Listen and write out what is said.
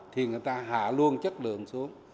thì người ta hạ luôn chất lượng xuống